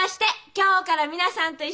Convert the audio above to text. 今日から皆さんと一緒に。